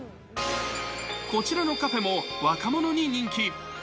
こちらのカフェも若者に人気。